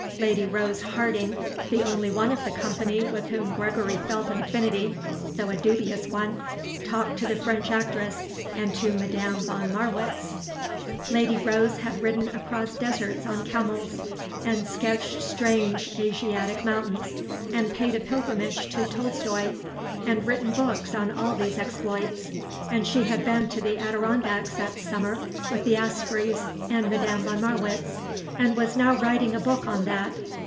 Lady Rose Harding, the only one of the company with whom Gregory felt an affinity, though a dubious one, talked to the French actress and to Madame von Marwitz. Lady Rose had ridden across deserts on camels, and sketched strange Asiatic mountains, and paid a pilgrimage to Tolstoi, and written books on all these exploits; and she had been to the Adirondacks that summer with the Aspreys and Madame von Marwitz, and was now writing a book on that.